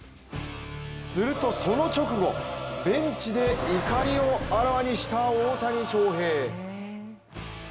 するとその直後、ベンチで怒りをあらわにした大谷翔平。